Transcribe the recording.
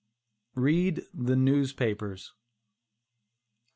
READ THE NEWSPAPERS.